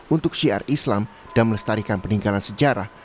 untuk syiar islam dan melestarikan peninggalan sejarah